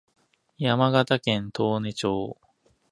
山形県東根市